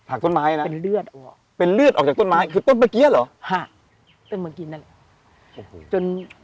ถากต้นไม้นะเป็นเลือดออกจากต้นไม้คือต้นปะเกี๊ยร์เหรอฮะต้นปะเกี๊ยร์นั่นแหละ